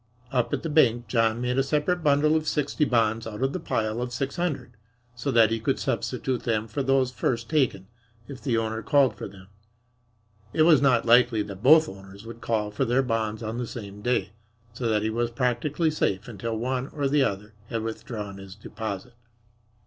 Up at the bank John made a separate bundle of sixty bonds out of the pile of six hundred so that he could substitute them for those first taken if the owner called for them. It was not likely that both owners would call for their bonds on the same day, so that he was practically safe until one or the other had withdrawn his deposit.